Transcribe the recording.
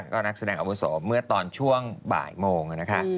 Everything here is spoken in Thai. ก็นักแสดงอาวุโสเมื่อตอนช่วงบ่ายโมงนะคะ